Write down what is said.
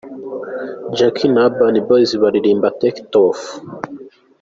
Jackie na Urban Boyz baririmba Take it off.